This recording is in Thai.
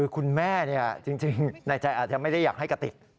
คุณแม่จริงในใจอาจจะไม่ได้อยากให้กระติก